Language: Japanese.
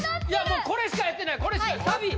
もうこれしかやってないサビ